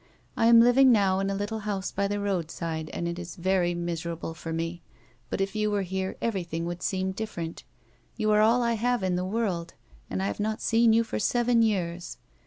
I am living now in a little house by the roadside and it is very miserable for me, but if you were here everything would seem different. You are all I have in the world, and I have not seen you for seven years.